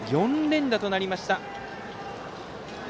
４連打となりました。